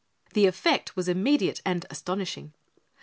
The effect was immediate and astonishing.